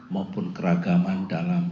maupun keragaman dalam